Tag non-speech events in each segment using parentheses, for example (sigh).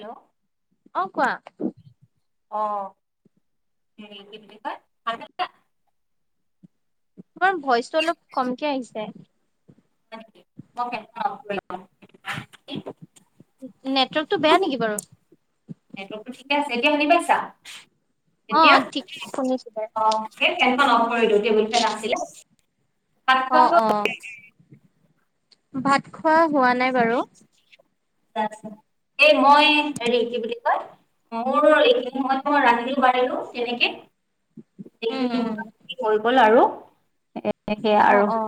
Hello অ কোৱা। অ। (unintelligible) তোমাৰ ভইচটো অলপ কমকে আহিছে। ে (unintelligible) (inaudible) নেটৱৰ্কতটো বেয়া নেকি বাৰু? নেটৱৰ্কটো ঠিকে আছে। এতিয়া শুনি পাইছা? অ এতিয়া ঠিক শুনিছো বাৰু অ সেই ফেনখন অফ কৰি দিলো (unintelligible) টেবুল ফেন আছিলে (unintelligible) অথ অ (unintelligible) অ ভাত খোৱা হোৱা নাই বাৰু। আ আছা, এই মই হেৰি কি বুলি কয় (unintelligible) মোৰ এইখিনি সময়ত মই ৰাতিও বাঢ়িলো কেনেকে। (unintelligible) খিন উম উম হৈ গল আৰু (unintelligible) এ সেয়া অ আৰু অ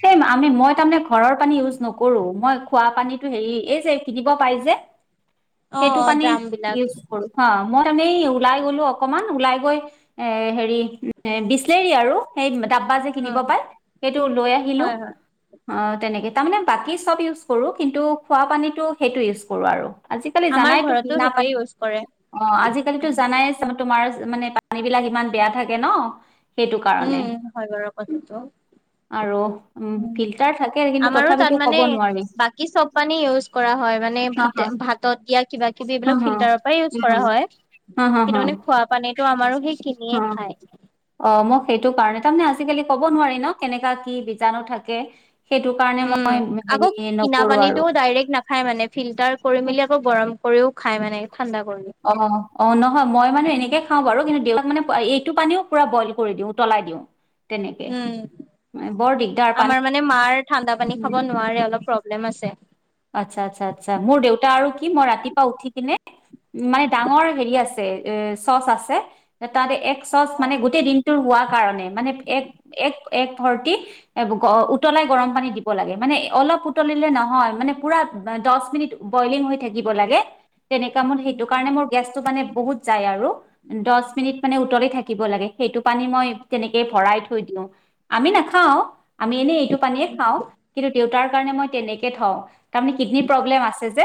সেই ম- (unintelligible) আমি মই তাৰমানে ঘৰৰ পানী ইউজ নকৰো। মই খোৱা পানীটো হেৰি এই যে কিনিব পাই যে, অ সেইটো অ পানী ড্ৰাম বিলাক ইউছ কৰো। মই মি ওলাই গ'লো অকমান, ওলাই গৈ এ হেৰি এ বিচলেৰি আৰু সেই ডাবা যে কিনিব উম পায় সেইটো লৈ আহিলো। হয় হয় অ তেনেকে তাৰমানে বাকী চব ইউজ কৰো, কিন্তু খোৱা পানী সেইটো ইউজ কৰোঁ আৰু। আজিকালি আমাৰ জানাই তো ঘৰতো কিনা সেইটোৱে পানী, ইউজ কৰে অ আজিকালিটো উম জানাই চ- তোমাৰ মানে পানী বিলাক ইমান বেয়া থাকে ন। সেইটো কাৰণে উম হয় বাৰু কথাটো। আৰু উম ফিল্টাৰ থাকে কিন্তু আমাৰো তাত তথাপিতো মানে ক'ব নোৱাৰি বাকী চব পানী ইউজ কৰা হয়। হয় মানে হা হা ভাতত দিয়া কিবা কিবি হা এইবিলাক হা ফিল্টাৰৰ পৰা ইউজ হা কৰা হয়। হা হা কিন্তু হা মানে খোৱা পানীটো আমাৰো সেই কিনিয়ে হা খায় অ মই, সেইটো কাৰণে। তাৰমানে আজিকালি ক'ব নোৱাৰি ন কেনেকা কি বীজাণু থাকে। সেইটো কাৰণে উম। মই আকৌ হেৰি কিনা নকৰো আৰু পানীটো ডাইৰেক্ট নাখাই মানে ফিল্টাৰ কৰি মেলি আকৌ গৰম কৰিও, খাই মানে। ঠাণ্ডা কৰি অ অ নহয় মই মানে এনেকে খাওঁ বাৰু কিন্তু দেউতাক মানে- এইটো পানীও পুৰা বইল কৰি দিওঁ উতলাই দিওঁ। তেনেকে উম বৰ দিগদাৰ পানী আমাৰ মানে মাৰ ঠাণ্ডা পানী খাব নোৱাৰে অলপ প্ৰব্লেম আছে। আচ্ছা আচ্ছা আচ্ছা। মোৰ দেউতা আৰু কি মই ৰাতিপোৱা উঠি কি - নে মানে ডাঙৰ হেৰি আছে এ চচ আছে তাৰে - চচ মানে গোটেই দিনটোৰ হোৱাত মানে এ এক ভৰ্তি উতলাই গৰম পানী দিব লাগে। মানে অলপ উটলিলে নহয়, মানে পুৰা দশ মিনিত বইলিং হৈ থাকিব লাগে, তেনে কামত সেইটো কাৰণে মোৰ গেছটো মানে বহুত যায় আৰু। দহ মিনিট মানে উতলি থাকিব লাগে। সেইটো পানী মই তেনেকে ভৰাই থৈ দিওঁ। আমি নাখাওঁ, আমি এনেই পানীয়ে খাওঁ। কিন্তু দেউতাৰ কাৰণে মই তেনেকে থওঁ তাৰে কিডনিৰ প্ৰব্লেম আছে যে।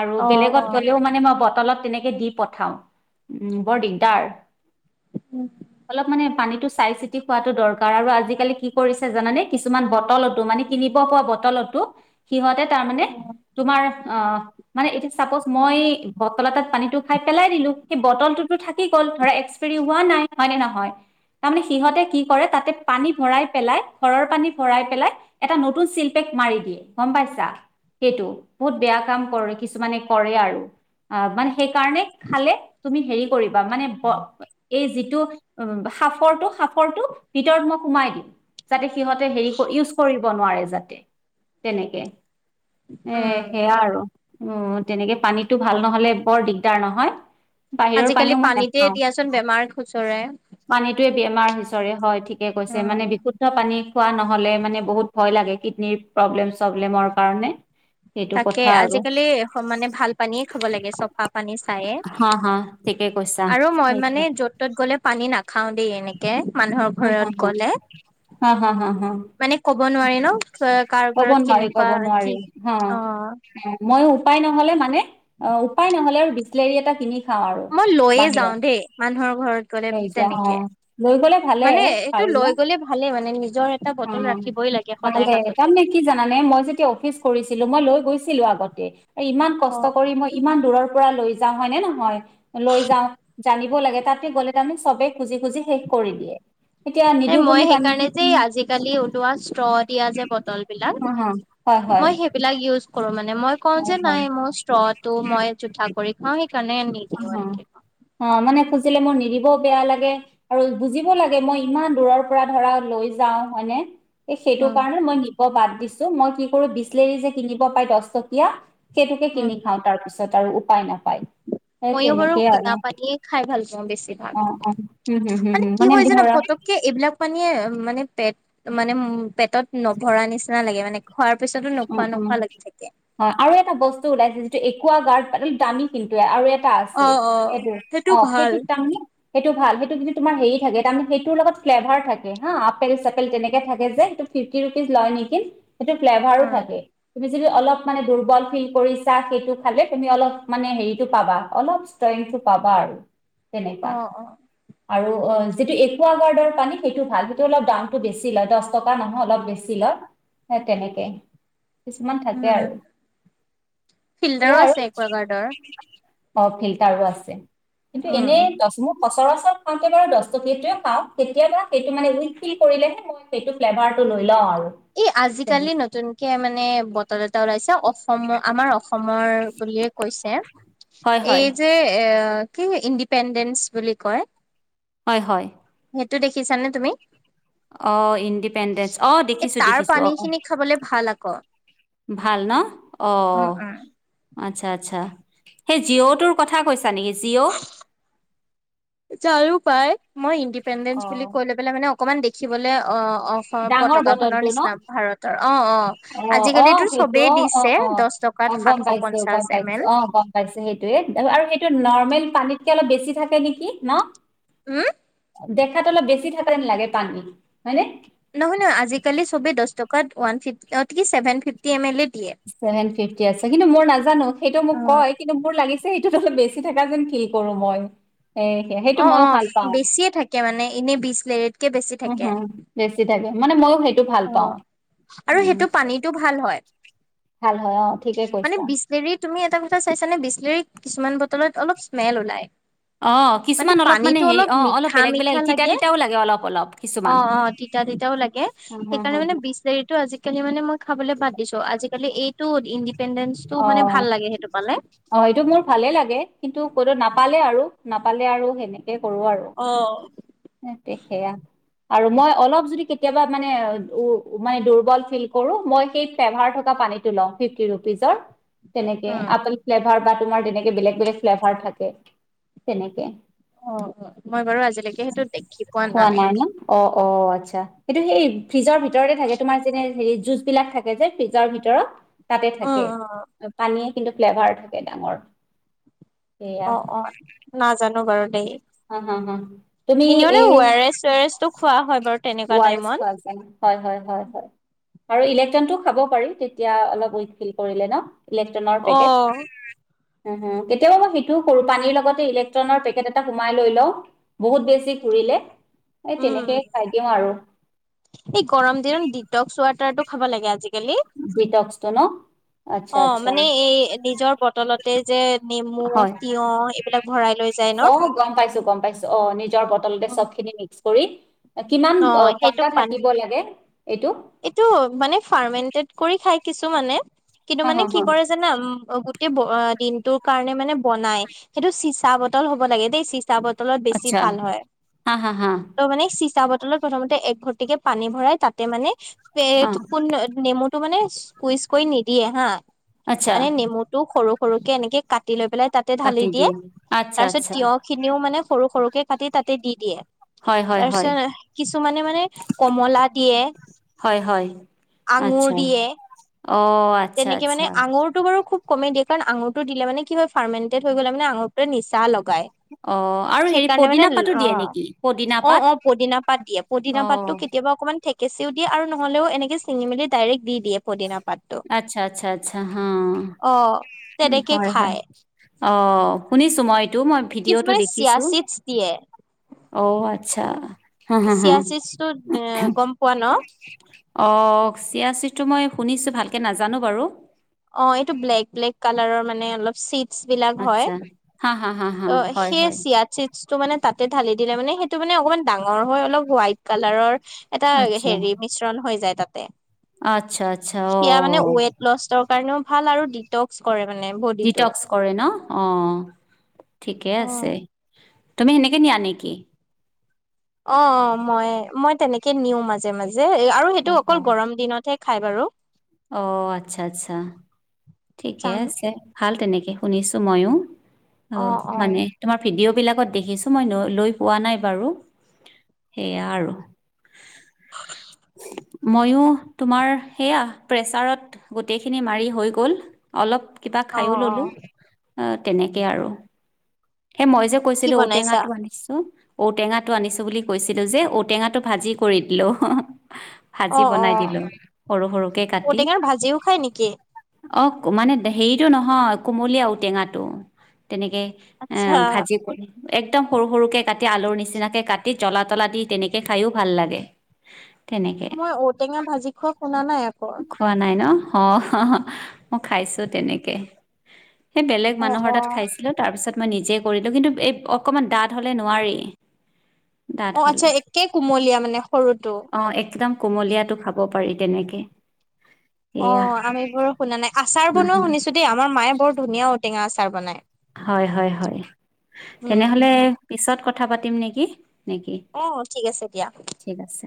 আৰু অ অ বেলেগত গ'লেও মানে মই বটলত, এনেকে দি পঠাও। উম চাই চিটি খোৱাটো দৰকাৰ। আৰু আজিকালি কি কৰিছে জানানে কিছুমান বটলতো মানে কিনিব পৰা বটল- সিহঁতে তাৰ মানে তোমাৰ আহ মানে চাপজ মই বটল এটাত পানীটো খাই পেলাই দিলো, সেই বটলতো থাকি গ'ল, ধৰা হোৱা নাই হয় নে নহয়। তাৰমানে সিহঁতে কি কৰে তাতে পানী ভৰাই পেলাই ঘৰৰ পানী ভৰাই পেলাই এটা নতুন ছিল পে - মাৰি দিয়ে গম পাইছা। সেইটো বহুত বেয়া কাম কৰে কিছুমানে কৰে আৰু অ মানে। সেইকাৰণে খালে তুমি হেৰি। কৰিবা মানে এই যিটো উ সফৰটো সফৰটো ভিতৰত মই সোমাই দিম। যাতে সিহঁতে হেৰি ইউজ কৰিব নোৱাৰে যাতে তেনেকে। এ উম সেয়া আৰু উ তেনেকে পানীতটো ভাল নহ'লে বৰ দিগদাৰ নহয়। বাহিৰৰ আজিকালি পানীও মই পানীতে নাখাও দিয়াচোন বেমাৰ খুচৰে পানীটোয়ে বেমাৰ হৈছে। ৰে হয় ঠিকে কৈছে মানে বিশুদ্ধ পানী খোৱা নহ'লে। মানে বহুত ভয় লাগে কিডনিৰ প্ৰব্লেম চব্লেমৰ কাৰণে। সেইটো তাকে কথা আৰু আজিকালি মানে ভাল পানীয়ে খাব লাগে চফা পানী চায়য়ে। হা হা ঠিকে কৈছা আৰু মই মানে সেইটো য'ত ত'ত গ'লে পানী নাখাও দেই এনেকে। মানুহৰ হা হা ঘৰত হা গ'লে। হা হা হা হা মানে ক'ব নোৱাৰি ন কাৰ কব ঘৰত নোৱাৰি ক'ব কেনেকুৱা কি নোৱাৰি। অ অ মইো উপায় নহলে মানে অ উপায় নহলে আৰু বিচলেৰি এটা কিনি। খা আৰু মই লৈয়ে যাওঁ বাহিৰত দেই মানুহৰ ঘৰত গ'লে লৈ যোৱা অ তেনেকে লৈ গ'লে। অ ভালে মানে এইটো লৈ গ'লে ভালে মানে নিজৰ এটা বটল ৰাখিবই লাগে সদায় ভালে তাৰ হাততে নে কি জানানে মই। অফিচ গৈছিলো আগতে ইমান কস্তকৰি। ল যা হয় নে নহয় লৈ যা জানিব লাগে তাতে গ'লে তমি চবে খুজি খুজ শেষ কৰে। এই মই সেইকাৰণে যে আজিকালি উওলোৱা ষ্ট্ৰ দিয়া যে বটল। বিলাক হা হা হয় হয় মই সেইবিলাক ইউজ। কৰো মানে মই কওঁ হয় যে নাই হয় মোৰ স্ত্ৰো মই জোঠা কৰি খাওঁ। সেইকাৰণে নিদিওঁ অহ এনেকে কওঁ। অ মানে। বুজে মোৰ নিদিবও বেয়া লাগে আৰু বুজিব লাগে মই ইমান দূৰৰ পৰা ধৰা লৈ যাও হয়নে। এ সেইটো উম কাৰণে মই নিব বাদ দিছো মই কি কৰো বিচলেৰি যে কিনিব পাই দহ টকীয়া। সেইটোকে উম কিনি খাওঁ তাৰ পিছত আৰু উপায় নাপায়। সেই ময়ো বাৰু তেনেকেই আৰু ঘনা পানীয়ে খাই ভাল পাওঁ বেছিভাগ। অ অ হম হম হম মানে হম কি হয় জানা ধৰা পতককে এইবিলাক মানীয়ে মানে। পেট মানে উ পেটত নভৰা নিচিনা লাগে মানে। খোৱাৰ পিছতো উম নোখোৱা উম নোখোৱা লাগি থাকে হয় আৰু এটা বস্তু ওলাইছে। একা গাৰ্ড দামী কিন্তুৱে আৰু টা। এ অ আছে অ সেইটো অ সেইটোত তাৰমানে সেইটো ভাল। য তোমাৰ হেৰি থাকে তাৰে সেইটোৰ লগত ফ্লেভাৰ থাকে হা আপেল চেল তেনেকে থাকে যেটো ফিফটি ৰুপিজ। লয় নেকি সেইটো অ ফ্লেভাৰো থাকে। ফ কৰিছা সেইালে তুমি অল হটো পাবা অলপ। পাবা আৰু তেনে অ আৰু। যিটো একোৱা গাৰ্ডৰ পানী সেইটো ভাল সেইটো অলপ দামটো বেছি লয় দহ টকা নহয় অলপ বেছি লয়। সে তেনেকে। কিছুমান থাকে উম আৰু ফিল্টাৰো সেয়ে আৰু। আছে একোৱাগাৰ্ডৰ। অহ, ফিল্টাৰো আছে কিন্তু উম এনেই উম। (unintelligible) (unintelligible) দচ টকীয়াটোৱে খাওঁ কেতিয়াবা সেইটো মানে উইক ফিল কৰিলেহে মই সেইটো ফ্লেভাৰটো লৈ লওঁ আৰু। এ' আজিকালি তেনেকে। নতুনকে মানে বটল এটা ওলাইছে অসম আমাৰ অসম অসমৰ বুলিয়ে কৈছে হয় হয় এই যে এ কি ইণ্ডিপেণ্ডেন্ঞ্চ বুলি কয় হয় -হয়। সেইটো দেখিছানে তুমি? অহ, ইণ্ডিপেণ্ডেন্ঞ্চ অহ দেখি এই দেখিছো তাৰ -দেখিছো পানী অহ -অহ খিনি খাবলে ভাল আকৌ। ভাল ন' অহ। উম উম। আচ্ছা -আচ্ছা সেই জিঅ' টোৰ কথা কৈছ (inaudible) যাৰো পাই মই অ ইণ্ডিপেণ্ডেস বুলি কৈ লৈ পেলাই মানে অকমান দেখিবলে অ' অসম ডাঙৰ পতাকাখনৰ বটলটো ন নিচিনা ভাৰতৰ অ', - অ',। অ', - অ', আজিকালিতো সেইটো চবেই অ', -অ', দিছে -অ', দহ - টকাত অ', গম সাতশ পাইছো- গম পঞ্চাশ এম পাইছো এল অহ গম পাইছো সেইটোৱে। এই আৰু সেইটো নৰ্মেল পানীতকে অলপ বেছি থাকে নেকি ন? হম দেখাত অলপ বেছি থাকা যেন লাগে পানী। হয়নে? নহয় -নহয় আজিকালি চবে দচ টকাত ওৱান ফিফটি অ' ঠিক আছে ছেভেন ফিফটি ম এল লিত চেভেন ফিফটি আছে কিন্তু মই নাজানো সেইটো মোক অ কয় কিন্তু মোৰ লাগিছে বেছি থকা যেন ফিল কৰো মই। এ সে- সেইটো অহ - মইও অহ ভাল পাওঁ বেছিয়ে থাকে মানে এনে বিচলেৰিত। উমহু, বেছি থাকে মানে মইও সেইটো ভাল অহ, পাওঁ আৰু উম সেইটো পানীটো ভাল হয়। ভাল হয় অ ঠিকে (inaudible) মানে কৈছা। বিচলেৰি তুমি এটা কথা চাইছানে বিচলেৰিত কিছুমান বটলত অলপ স্মেল ওলাই। অহ, কিছুমান অলপ মানে পানীটো হেৰি অহ অলপ মিঠা বেলেগ মিঠা -বেলেগ, তিতা লাগে -তিতাও লাগে অলপ- অলপ অ কিছুমান। অ তিতা -তিতাও লাগে হ হ হ সেইকাৰণে মানে বিচলেৰিটো আজিকালি মানে মই খাবলৈ বাদ দিছো। আজিকালি এই টো ইণ্ডিপেণ্ডেন্ঞ্চ টো অ মানে ভাল লাগে সেইটো পালে। অ এইটো মোৰ ভালে লাগে কিন্তু কতো নাপালে আৰু নাপালে আৰু সেনেকে কৰো আৰু। উম তাকে সেয়া আৰু মই অলপ যদি কেতিয়াবা মানে দূৰ্বল ফিল কৰো মই সেই ফ্লেভাৰ থকা পানীটো লওঁ, ফিফটি ৰুপিজৰ। তেনেকে আপেল ফ্লেভাৰ বা তোমাৰ তেনেকে বেলেগ -বেলেগ ফ্লেভাৰ থাকে তেনেকে অহ, মই বাৰু আজিলৈকে সেইটো দেখি পোৱা নাই। অহ, আচ্ছা সেইটো সেই ফ্ৰিজৰ ভিতৰতে থাকে। তোমাৰ যেনে হেৰি জুচ বিলাক থাকে যে ফ্ৰিজৰ ভিতৰত তাতে উম থাকে উম পানীয়ে কিন্তু ফ্লেভাৰ থাকে ডাঙৰ সেয়া অহ -অহ নাজানো বাৰু দেই। হা- হা- হা তুমি এনে মানে ৱেৰেছ - চুৱেৰেছ টো খোৱা হয় বাৰু তেনেকুৱা উৱাৰেছ টাইমত খোৱা যাই হয় -হয়- হয় -হয়। আৰু ইলেক্ট্ৰনটো খাব পাৰি তেতিয়া অলপ উইক ফিল কৰিলে ন',? ইলেক্ট্ৰনৰ পেকেট। উম হ- হ কেতিয়াবা মই সেইটোও কৰোঁ পানীৰ লগতে এই ইলেক্ট্ৰনৰ পেকেট এটা সোমাই লৈ লও বহুত বেছি দিলে তেনেকে খাই দিওঁ আৰু এই গৰম দিনত ডিটকচ ৱাটাৰটো খাব লাগে আজিকালি। ডিটকসটো ন? আচ্ছা অহ, আচ্ছা মানে এই নিজৰ বটলতে যে নেমু, তিয়হ এইবিলাক ভৰাই লৈ যায় ন অহ, গম পাইছো -গম পাইছো অহ নিজৰ বটলতে চব খিনি মিক্স কৰি কিমান অ, অহ, সেইটো ঘন্টা পান থাকিব লাগে এইটো এইটো মানে ফাৰ্ম কৰি খাই কিছু মানে কিন্তু হা মানে হা কি হা কৰে জানা দিনটোৰ কাৰণে মানে বনাই সেইটো চিচা বটল হ'ব লাগে দেই চিচা বটল তলত বেছি আচ্ছা ভাল হয় হা হা হা ত মানে চিচা বটলত প্ৰথমতে একঘটিকে পানী ভৰাই তাতে মানে হা কোন নেমু মানে উইচ কৰি নিদিয়ে হা আচ্ছা মানে নেমুটো সৰুকে এনেকে কাটি লৈ পেলাই তাতে ঢালি কাটি দিয়ে আচ্ছা তাৰ পিছত আচ্ছা তিয়হ খিনিও মানে সৰু সৰুকে কাটি তাতে দি দিয়ে। হয় হয় তাৰপিছত হয় কিছুমানে মানে কমলা দিয়ে, হয় হয় আঙুৰ আচ্ছা দিয়ে অ' আচ্ছা তেনেকে মানে আচ্ছা আঙুৰটো বাৰু খুব কমে দিয়ে কাৰণ আঙুৰটো দিলে মানে কি হয় ফাৰ্মেটেড হৈ গ'লে মানে আঙুৰটো নিচা লগ অ' আৰু হেৰি সেইকাৰণে মানে পদিনা পাতো অ দিয়ে নেকি পদিনা অ পাত অ পদিনা পাত দিয়ে পদিনা পাত অ' তো কেতিয়াব অকমান ঠেকেচও দিয়ে আৰু নহলেও এনেকে চিঙ মেলি ডাইৰেক্ট দি দিয় পদিনা পাত। আচ্ছা আচ্ছা আচ্ছা হ অ', তেনেকে হয় হয় খায় অ শুনিছো মই এইটো মই ভিডিঅ'টো কিছুমানে চিয়া দেখিছো। চিডছ দিয়ে। অ আচ্ছা হা হা হা চিয়া চিছটোত গ'ম পোৱা ন? অঁ চিয়াচিটো মই শুনিছোঁ ভালকে নাজানো বাৰু। অ এইটো ব্লেক ব্লেক কালাৰৰ মানে অলপ চিডছ বিলাক হয়। আচ্ছা হা হা হা ত হা হয় সে হয় চিয়াদচিছটো মানে তাতে ঢালি দিলে মানে সেইটো মানে অকণমান ডাঙৰ হয় অলপ হোৱাইট কালাৰৰ এটা আচ্ছা হেৰি মিশ্ৰণ হৈ যায় তাতে। আচ্ছা আচ্ছা সেয়া মানে অ' ৱেইট লষ্টৰ কাৰণেও ভাল আৰু ডিটক্স কৰে। মানে বডিটো। ডিটক্স কৰে ন? অ ঠিকে অ', আছে তুমি সেনে ন আনেকি? অ অ মই মই তেনেকে নিও মাজে মাজে। যে আৰু সেইটো অ' অকল অ' গৰম দিনতহে খাই বাৰু অ' আচ্ছা আচ্ছা ঠিকে চাম আছে ভাল তেনেকে শুনিছো মইয়ো। অ মানে তোমাৰ ভিডিঅ' বিলাকত দেখিছো মই লৈ পোৱা নাই বাৰু সেয়া আৰু। (inaudible) মইো তোমাৰ সেয়া প্ৰেচাৰত গোটেইখিনি মাৰি হৈ গ'ল অলপ কিবা খাইয়ো ললো অ', তেনেকে আৰু সেই মই যে কি কৈছিলো বনাইছা? ঔটেঙাটো আনিছো ঔটেঙাটো আনিছো বুলি কৈছিলো যে ঔটেঙাটো ভাজি কৰি দিলো ভাজি অ', অ', বনাই দিলো সৰু সৰুকে কাটি ঔটেঙাৰ ভাজিও খাই নেকি? অক মানে হেৰি এইটো নহয় কুমলিয়া ঔটেঙাটো তেনেকে এ আচ্ছা ভাজি কৰি একদম সৰু সৰুকে কাটি আলুৰ নিচিনাকে কাটি জলা তলা দি তেনেকে খাইও ভাল লাগে। তেনেকে মই ঔটেঙা ভাজি খোৱা শুনা নাই। আকৌ। খোৱা নাই ন মই খাইছো তেনেকে। সেই বেলেগ অ', মানুহৰ তাত অ'। খাইছিলো তাৰ পিছত মই নিজে কৰিলো কিন্তু এই অকমান দাঠ হ'লে নোৱাৰি ডাঠ অ হ'লে আচ্ছা একে কুমলীয়া মানে সৰুটো? কুমলিয়টো খাব পাৰি তেনেকে। অ এয়া আমি বোৰ শুনা নাই আচাৰ বনোৱাও শুনিছো দেই আমাৰ মায়ে বৰ ধুনীয়া ঔটেঙা আচাৰ বনায়। হয় হয় হয় উম তেনেহলে উম উম। পিছত কথা পাতিম নেকি? নেকি অ ঠিক আছে দিয়া। ঠিক আছে।